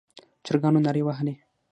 چرګانو نارې وهلې.